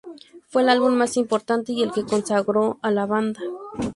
Fue el álbum más importante y el que consagró a la banda.